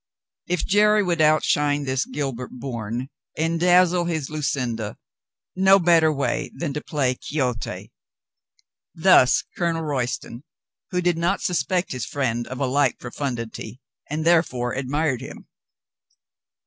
If Jerry would outshine this Gilbert Bourne and dazzle his Lucinda, no better way than to play Quixote. Thus Colonel Royston, who did not suspect his friend of a like profundity^ and therefore admired him.